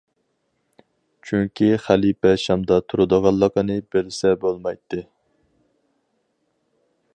چۈنكى خەلىپە شامدا تۇرىدىغانلىقىمنى بىلسە بولمايتتى.